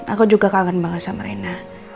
aku juga kangen banget sama rena